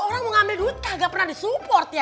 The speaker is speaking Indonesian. orang mau ngambil duit gak pernah di support ya